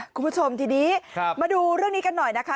คุณผู้ชมทีนี้มาดูเรื่องนี้กันหน่อยนะคะ